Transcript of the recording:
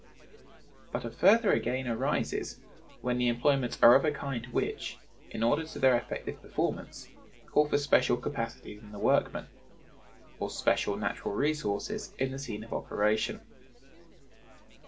But a further gain arises when the employments are of a kind which, in order to their effective performance, call for special capacities in the workman, or special natural resources in the scene of operation.